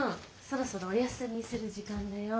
そろそろおやすみする時間だよ。